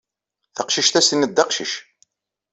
Taqcict-a ad s-tiniḍ d aqcic.